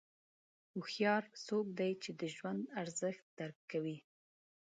هوښیار څوک دی چې د ژوند ارزښت درک کوي.